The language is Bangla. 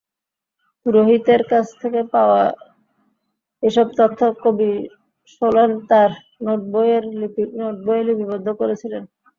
পুরোহিতের কাছ থেকে পাওয়া এসব তথ্য কবি সোলন তাঁর নোটবইয়ে লিপিবদ্ধ করেছিলেন।